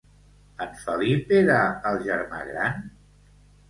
En Felip era el germà gran?